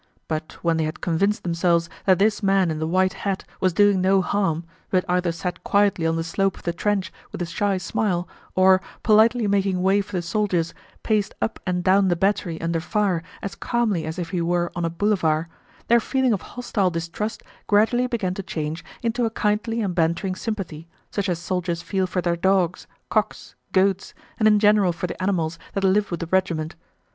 But when they had convinced themselves that this man in the white hat was doing no harm, but either sat quietly on the slope of the trench with a shy smile or, politely making way for the soldiers, paced up and down the battery under fire as calmly as if he were on a boulevard, their feeling of hostile distrust gradually began to change into a kindly and bantering sympathy, such as soldiers feel for their dogs, cocks, goats, and in general for the animals that live with the regiment.